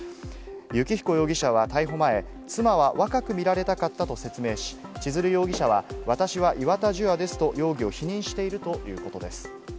幸彦容疑者は逮捕前、妻は若く見られたかったと説明し、千鶴容疑者は、私は岩田樹亞ですと、容疑を否認しているということです。